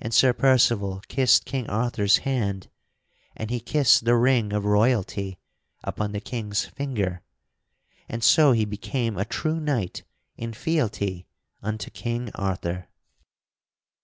And Sir Percival kissed King Arthur's hand and he kissed the ring of royalty upon the King's finger, and so he became a true knight in fealty unto King Arthur.